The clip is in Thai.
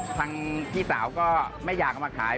ทางพี่สาวก็ไม่อยากเอามาขาย